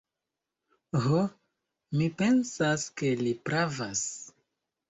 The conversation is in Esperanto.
Ho, mi pensas ke li pravas.